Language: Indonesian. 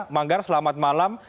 manggar selamat malam